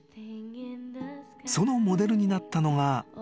［そのモデルになったのが］